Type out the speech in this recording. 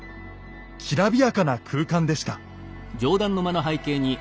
きらびやかな空間でした。